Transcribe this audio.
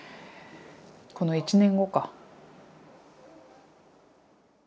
この１年後か。